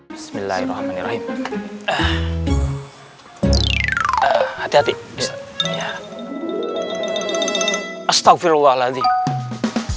hai bismillahirrahmanirrahim hati hati bisa astaghfirullahaladzim